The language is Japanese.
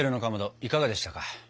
いかがでしたか？